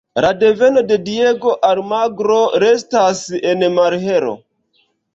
La deveno de Diego Almagro restas en malhelo.